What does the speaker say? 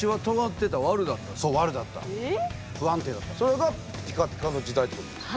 それがピカピカの時代ってことですね。